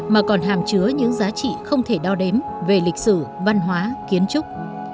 mà còn hàm chứa những giá trị không thể đo đếm về lịch sử văn hóa kiến trúc